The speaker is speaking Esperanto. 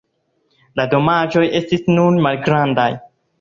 La damaĝoj estis nur malgrandaj.